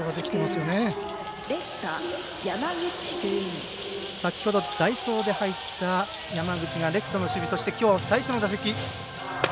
先ほど代走で入った山口がレフトの守備、きょう最初の打席。